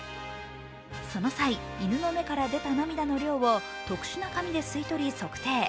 その際、犬の目から出た涙の量を特殊な紙で吸い取り測定。